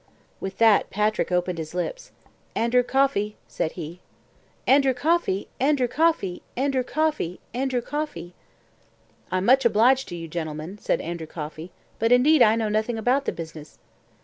With that Patrick opened his lips: "Andrew Coffey," said he. "Andrew Coffey! Andrew Coffey! Andrew Coffey! Andrew Coffey!" "I'm much obliged to you, gentlemen," said Andrew Coffey, "but indeed I know nothing about the business."